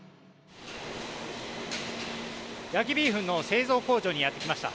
焼きビーフンの製造工場にやって来ました。